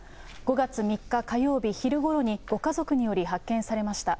５月３日火曜日昼ごろに、ご家族により発見されました。